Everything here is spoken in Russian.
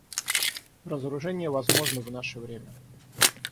Разоружение возможно в наше время.